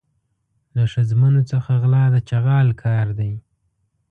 له ښځمنو څخه غلا د چغال کار دی.